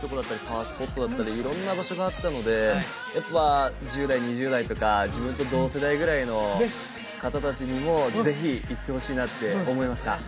パワースポットだったり色んな場所があったのでやっぱ１０代２０代とか自分と同世代ぐらいの方達にもぜひ行ってほしいなって思いました